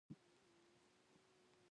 د جومات تر تګ وړاندې ګل صنمه راغله.